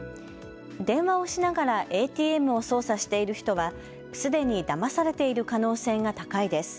電話をしながらＡＴＭを操作している人はすでにだまされている可能性が高いです。